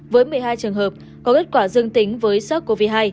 với một mươi hai trường hợp có kết quả dương tính với sars cov hai